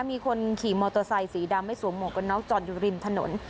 มีคนขี่มอเตอร์ไซค์สีดำให้สวมหมดกับน้องจอดอยู่รินถนน